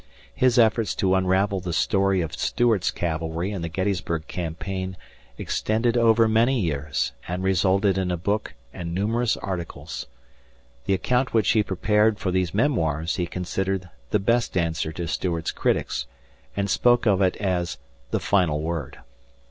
His efforts to unravel the story of Stuart's cavalry in the Gettysburg campaign extended over many years and resulted in a book 1 and numerous articles. The account which he prepared for these "Memoirs" he considered the best answer to Stuart's critics, and spoke of it as "the final word."